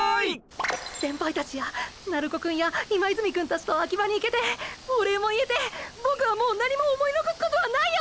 先輩たちや鳴子くんや今泉くんたちとアキバに行けてお礼も言えてボクはもう何も思い残すことはないよ！！